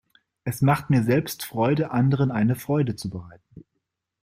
Es macht mir selbst Freude, anderen eine Freude zu bereiten.